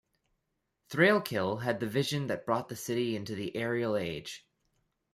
Thrailkill had the vision that brought the city into the aerial age.